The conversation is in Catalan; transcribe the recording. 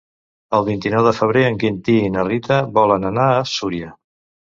El vint-i-nou de febrer en Quintí i na Rita volen anar a Súria.